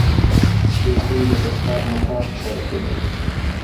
چوکۍ د دفتر مقام ښکاره کوي.